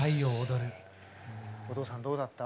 お父さんどうだった？